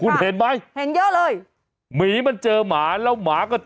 ใช้เมียได้ตลอด